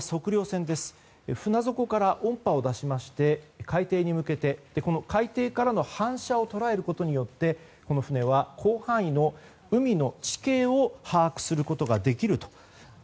船底から海底に向けて音波を出しまして海底からの反射を捉えることによって広範囲の海の地形を把握することができると。